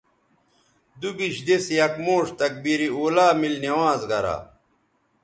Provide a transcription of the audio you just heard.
دوبیش دِس یک موݜ تکبیر اولیٰ میل نماز گرا